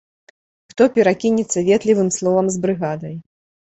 Хто перакінецца ветлівым словам з брыгадай.